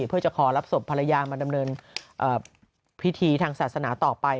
เพื่อจะขอรับศพภรรยามาดำเนินพิธีทางศาสนาต่อไป